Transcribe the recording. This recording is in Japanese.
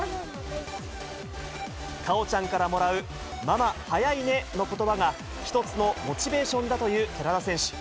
果緒ちゃんからもらう、ママ、速いねのことばが一つのモチベーションだという寺田選手。